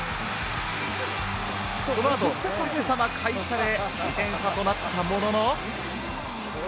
その後、すぐさま返され、２点差となったものの。